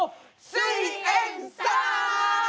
すイエんサー！